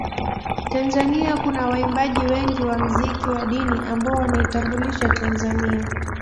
Tanzania kuna waimbaji wengi wa mziki wa dini ambao wanaitambulisha Tanzania